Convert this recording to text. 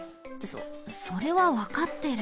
そそれはわかってる。